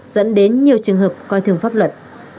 dẫn đến nhiều trường hợp coi thường pháp luật